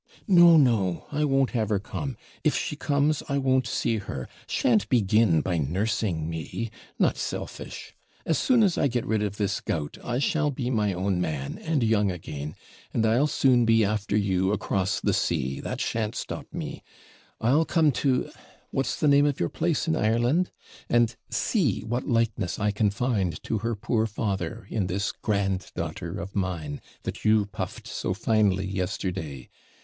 'No, no; I won't have her come. If she comes, I won't see her shan't begin by nursing me not selfish. As soon as I get rid of this gout, I shall be my own man, and young again, and I'll soon be after you across the sea, that shan't stop me; I'll come to what's the name of your place in Ireland? and see what likeness I can find to her poor father in this grand daughter of mine, that you puffed so finely yesterday.